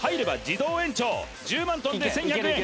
自動延長１０万とんで１１００円